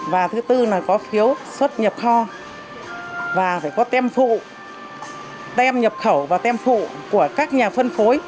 và thứ tư là có phiếu xuất nhập kho và phải có tem phụ tem nhập khẩu và tem phụ của các nhà phân phối